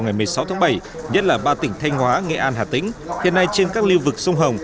ngày một mươi sáu tháng bảy nhất là ba tỉnh thanh hóa nghệ an hà tĩnh hiện nay trên các lưu vực sông hồng